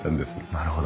なるほど。